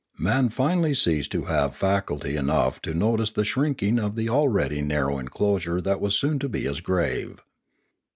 Man finally ceased to have faculty enough to notice the shrinking of the already narrow enclosure that was soon to be his grave.